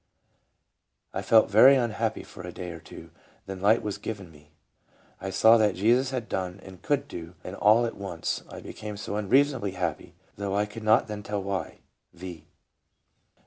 " I felt very unhappy for a day or two, then light was given me. I saw what Jesus had done and could do, and all at once I became so unreasonably happy, though I could not then tell why." — V.